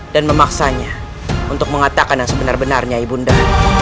dan memaksanya untuk mengatakan yang sebenar benarnya ibu nda